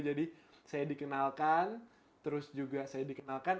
jadi saya dikenalkan terus juga saya dikenalkan